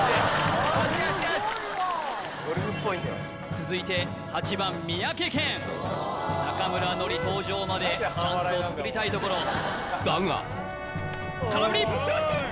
続いて８番三宅健中村ノリ登場までチャンスを作りたいところ空振り